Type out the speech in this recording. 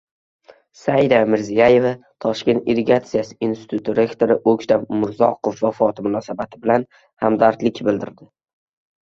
Saida Mirziyoyeva Toshkent irrigatsiya instituti rektori O‘ktam Umurzoqov vafoti munosabati bilan hamdardlik bildirdi